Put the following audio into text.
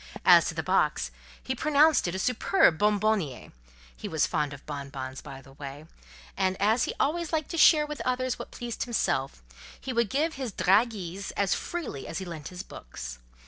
As to the box, he pronounced it a superb bonbonnière—he was fond of bonbons, by the way—and as he always liked to share with others what pleased himself, he would give his "dragées" as freely as he lent his books.